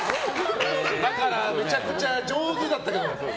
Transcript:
だからめちゃくちゃ上手だったけど。